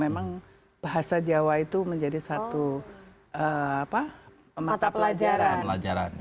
memang bahasa jawa itu menjadi satu mata pelajaran